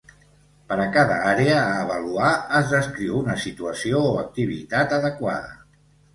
Per a cada àrea a avaluar, es descriu una situació o activitat adequada.